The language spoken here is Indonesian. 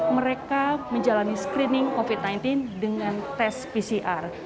mereka menjalani screening covid sembilan belas dengan tes pcr